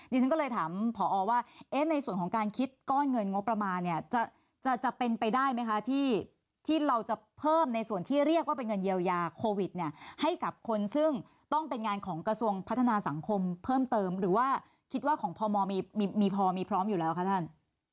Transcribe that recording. ฉันก็เลยถามผอว่าในส่วนของการคิดก้อนเงินงบประมาณเนี่ยจะเป็นไปได้ไหมคะที่เราจะเพิ่มในส่วนที่เรียกว่าเป็นเงินเยียวยาโควิดเนี่ยให้กับคนซึ่งต้องเป็นงานของกระทรวงพัฒนาสังคมเพิ่มเติมหรือว่าคิดว่าของพมมีพอมีพร้อมอยู่แล้วคะท่าน